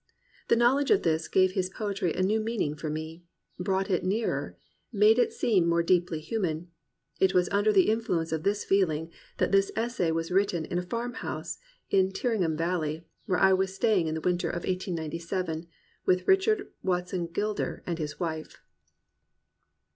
The knowledge of this gave his poetry a new meaning for me, brought it nearer, made it seem more deeply human. It was under the influence of this feeling that this essay was written in a farmhouse in Tyringham Valley, where I was staying in the winter of 1897, with Richard Watson Gilder and his wife.